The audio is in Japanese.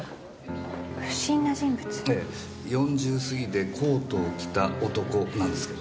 ええ４０過ぎでコートを着た男なんですけどね。